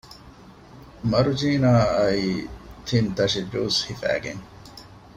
މަރުޖީނާ އައީ ތިން ތަށި ޖޫސް ހިފައިގެން